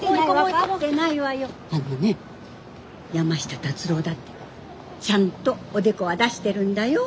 あのね山下達郎だってちゃんとおでこは出してるんだよ。